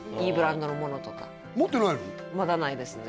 まだないですね